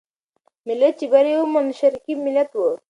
ملت چې بری وموند، شرقي ملت وو.